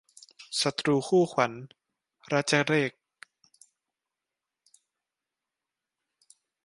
ศัตรูคู่ขวัญ- รจเรข